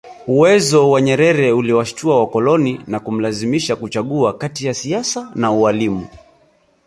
Uwezo wa Nyerere uliwashitua wakoloni na kumlazimisha kuchagua kati ya siasa na ualimu